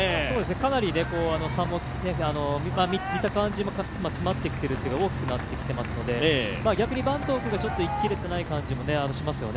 かなり差も見た感じも詰まってきているというか、大きくなってきていますので逆に坂東君がいききれていない感じもしますよね。